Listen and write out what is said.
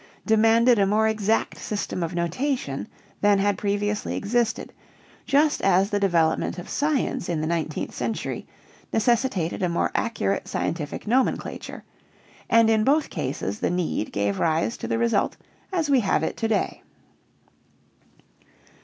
demanded a more exact system of notation than had previously existed, just as the development of science in the nineteenth century necessitated a more accurate scientific nomenclature, and in both cases the need gave rise to the result as we have it to day.